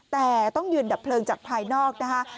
แต่ต้องยืนดับเพลิงจากภายนอกนะคะ